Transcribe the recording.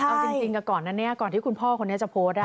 เอาจริงก่อนนั้นก่อนที่คุณพ่อคนนี้จะโพสต์